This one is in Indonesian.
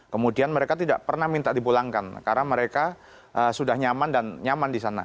kemudian mereka tidak pernah minta dipulangkan karena mereka sudah nyaman dan nyaman di sana